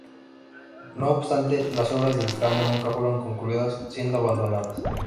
No obstante, las obras del tramo nunca fueron concluidas, siendo abandonadas.